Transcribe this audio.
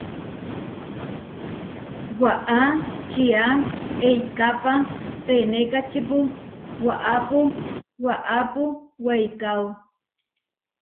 Waʼá čiá eikápa senékačipu waʼápu waʼápu weikáo.